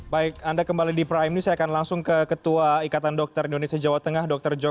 baik anda kembali di prime ini saya akan langsung ke ketua ikatan dokter indonesia jawa tengah dr jos